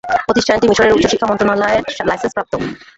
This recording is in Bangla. প্রতিষ্ঠানটি মিশরের উচ্চ শিক্ষা মন্ত্রণালয়ের লাইসেন্সপ্রাপ্ত।